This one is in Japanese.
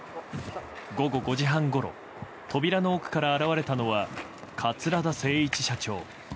午後５時半ごろ扉の奥から現れたのは桂田精一社長。